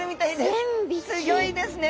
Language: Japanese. すギョいですね。